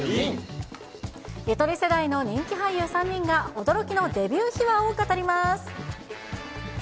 ゆとり世代の人気俳優３人が驚きのデビュー秘話を語ります。